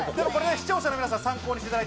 視聴者の皆さん、参考にしてください。